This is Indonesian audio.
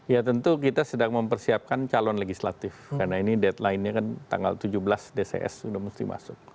ya tentu kita sedang mempersiapkan calon legislatif karena ini deadline nya kan tanggal tujuh belas dcs sudah mesti masuk